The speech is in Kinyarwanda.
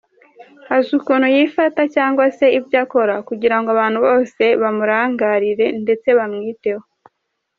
Azi ukuntu yifata cyangwa se ibyo akora kugira ngo abantu bose bamurangarire ndetse bamwiteho.